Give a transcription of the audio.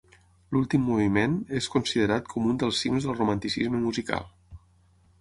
L'últim moviment és considerat com un dels cims del Romanticisme musical.